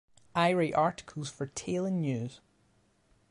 I write articles for Talon News.